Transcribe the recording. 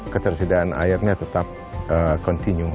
ketersediaan airnya tetap kontinu